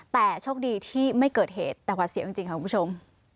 แต่โชคดีที่ไม่เกิดเหตุแต่หวัดเสียวจริงค่ะคุณผู้ชม